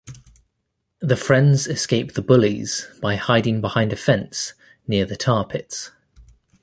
The friends escape the bullies by hiding behind a fence near the tar pits.